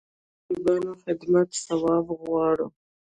مړه ته د غریبانو خدمت ثواب غواړو